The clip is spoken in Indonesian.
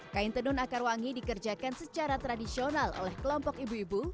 kain tenun akar wangi dikerjakan secara tradisional oleh kelompok ibu ibu